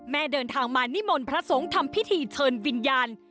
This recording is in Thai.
เดินทางมานิมนต์พระสงฆ์ทำพิธีเชิญวิญญาณ